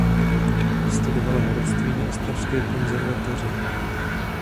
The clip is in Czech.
Vystudovala herectví na ostravské konzervatoři.